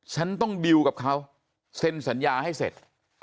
ฉันต้องดิวกับเขาเซ็นสัญญาให้เสร็จ